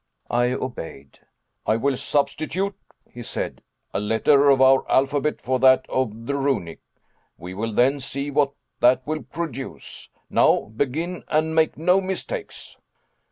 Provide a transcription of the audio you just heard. I obeyed. "I will substitute," he said, "a letter of our alphabet for that of the Runic: we will then see what that will produce. Now, begin and make no mistakes."